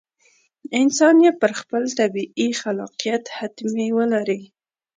انسان یې پر خپل طبیعي خلاقیت حتمي ولري.